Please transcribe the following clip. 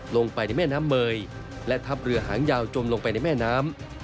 ลงไปในแม่น้ำเมยและทับเรือหางยาวจมลงไปในแม่น้ำ